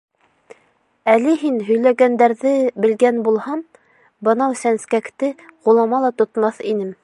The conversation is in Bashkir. — Әле һин һөйләгәндәрҙе белгән булһам, бынау сәнскәкте ҡулыма ла тотмаҫ инем.